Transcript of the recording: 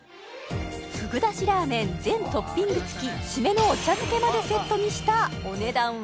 ふぐだしらーめん全トッピング付き締めのお茶漬けまでセットにしたお値段は？